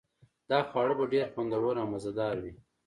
دا خواړه به ډیر خوندور او مزه دار وي